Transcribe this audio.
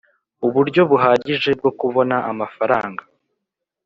uburyo buhagije bwo kubona amafaranga